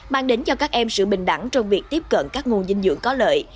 mang đến cho các em sự bình đẳng trong việc tiếp cận các nguồn dinh dưỡng có lợi